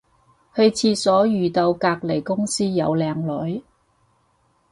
去廁所遇到隔離公司有靚女